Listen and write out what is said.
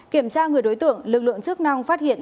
kiểm tra người đối tượng lực lượng chức năng phát hiện